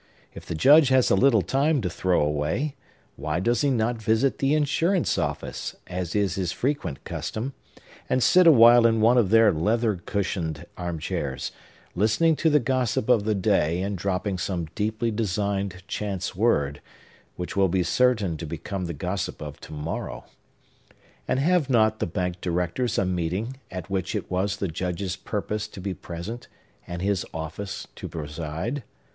If the Judge has a little time to throw away, why does not he visit the insurance office, as is his frequent custom, and sit awhile in one of their leathern cushioned arm chairs, listening to the gossip of the day, and dropping some deeply designed chance word, which will be certain to become the gossip of to morrow. And have not the bank directors a meeting at which it was the Judge's purpose to be present, and his office to preside?